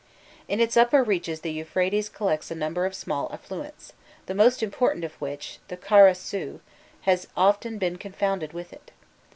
In its upper reaches the Euphrates collects a number of small affluents, the most important of which, the Kara Su, has often been confounded with it.